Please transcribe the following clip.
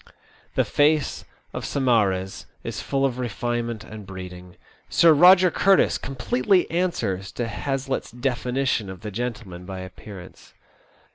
The face of Saumarez is full of refinement and breeding. Sir Eoger Curtis completely answers to Hazlitt's definition of the gentle man by appearance.